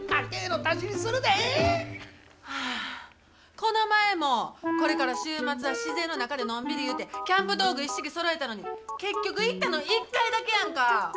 この前もこれから週末は自然の中でのんびり言うてキャンプ道具一式そろえたのに結局行ったの１回だけやんか。